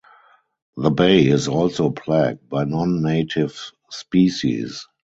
The Bay is also plagued by non-native species.